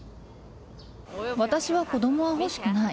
私は子どもは欲しくない。